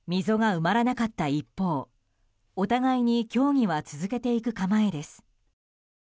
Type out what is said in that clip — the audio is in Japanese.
溝が埋まらなかった一方お互いに協議は続けていく構えです。